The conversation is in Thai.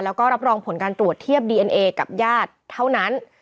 แล้วก็รับรองผลการตรวจเทียบดีเอ็นเอกับญาติเท่านั้น